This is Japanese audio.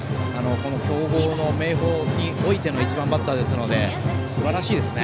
強豪の明豊においての１番バッターですのですばらしいですね。